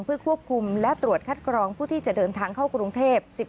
เพื่อควบคุมและตรวจคัดกรองผู้ที่จะเดินทางเข้ากรุงเทพฯ